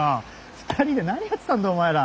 ２人で何やってたんだお前ら。